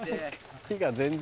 火が全然。